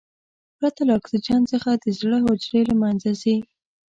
پرته له اکسیجن څخه د زړه حجرې له منځه ځي.